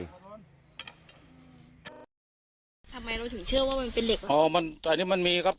ทำไมเราถึงเชื่อว่ามันเป็นเหล็ก